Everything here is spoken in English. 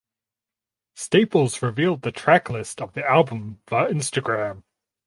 Staples revealed the track list of the album via Instagram.